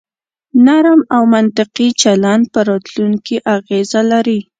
نرم او منطقي چلن په راتلونکي اغیز لري.